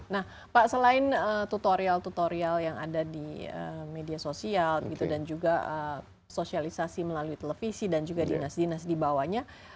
nah pak selain tutorial tutorial yang ada di media sosial dan juga sosialisasi melalui televisi dan juga dinas dinas di bawahnya